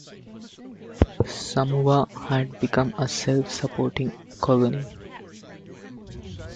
Samoa had become a self-supporting colony.